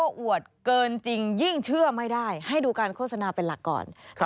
ยอมรับว่าการตรวจสอบเพียงเลขอยไม่สามารถทราบได้ว่าเป็นผลิตภัณฑ์ปลอม